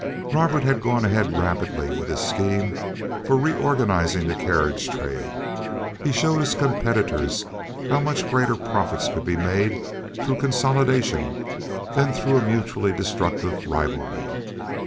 Robert had gone ahead rapidly with his scheme for reorganizing the carriage trade. He showed his competitors how much greater profits could be made through consolidation than through a mutually destructive rivalry.